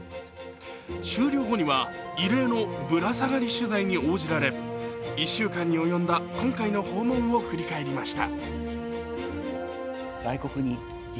終了後には、異例のぶら下がり取材に応じられ、１週間に及んだ今回の訪問を振り返りました。